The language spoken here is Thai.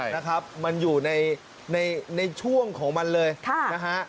นะครับมันอยู่ในในช่วงของมันเลยนะฮะ